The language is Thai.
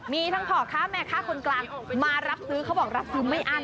มีทั้งพ่อค้าแม่ค้าคนกลางมารับซื้อเขาบอกรับซื้อไม่อั้น